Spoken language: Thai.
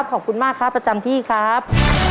ขอบคุณมากครับประจำที่ครับ